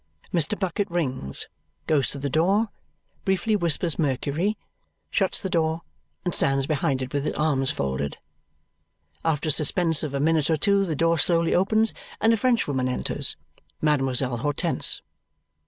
Mr. Bucket rings, goes to the door, briefly whispers Mercury, shuts the door, and stands behind it with his arms folded. After a suspense of a minute or two the door slowly opens and a Frenchwoman enters. Mademoiselle Hortense.